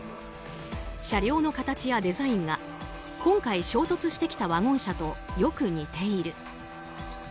車両の形やデザインが今回衝突してきたワゴン車とよく似ている。